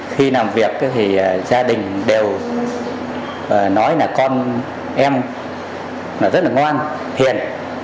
khi làm việc thì gia đình đều nói là con em rất là ngoan hiền